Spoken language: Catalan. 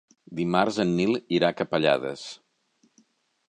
Dimarts en Nil irà a Capellades.